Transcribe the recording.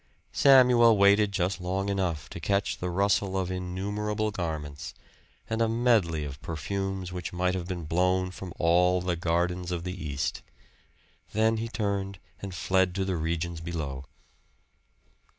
Samuel waited just long enough to catch the rustle of innumerable garments, and a medley of perfumes which might have been blown from all the gardens of the East. Then he turned and fled to the regions below.